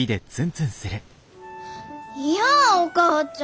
いやお母ちゃん！